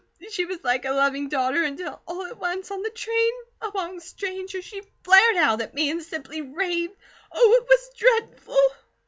She was like a loving daughter, until all at once, on the train, among strangers, she flared out at me, and simply raved. Oh, it was dreadful!"